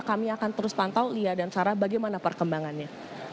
kami akan terus pantau lia dan sarah bagaimana perkembangannya